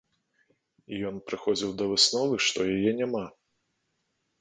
І ён прыходзіў да высновы, што яе няма.